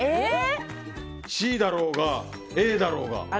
Ｃだろうが、Ａだろうが。